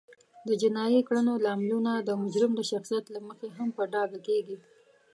د جینایي کړنو لاملونه د مجرم د شخصیت له مخې هم په ډاګه کیږي